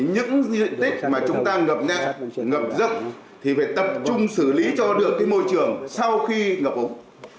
những diện tích mà chúng ta ngập nét ngập rực thì phải tập trung xử lý cho được môi trường sau khi ngập ống